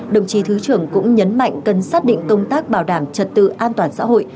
đồng chí thứ trưởng cũng nhấn mạnh cần xác định công tác bảo đảm trật tự an toàn xã hội